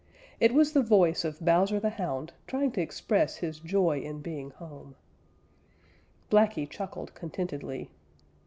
It was the voice of Bowser the Hound trying to express his joy in being home. Blacky chuckled contentedly.